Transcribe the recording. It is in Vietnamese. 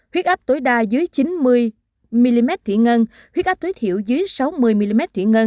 năm huyết áp thấp huyết áp tối đa dưới chín mươi mm